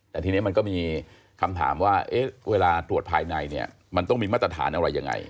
แต่ทีนี้มันก็มีคำถามว่าเวลาตรวจภายในเนี่ยมันต้องมีมาตรฐานอะไรยังไง